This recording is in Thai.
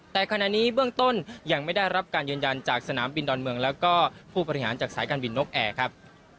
แต่ขณะนี้เบื้องต้นยังไม่ได้รับการยืนยันจากสนามบินดอนเมืองแล้วก็ผู้บริหารจากสายการบินนกแอร์ครับ